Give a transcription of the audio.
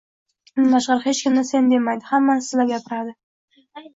Bundan tashqari, hech kimni sen demaydi, hammani sizlab gapiradi.